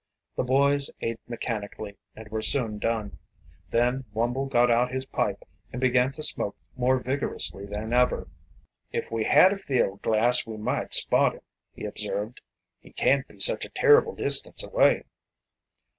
The boys ate mechanically and were soon done. Then Wumble got out his pipe and began to smoke more vigorously than ever. "If we had a field glass we might spot him," he observed. "He can't be such a terrible distance away."